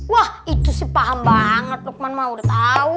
wah itu sih faham banget lukman mau udah tahu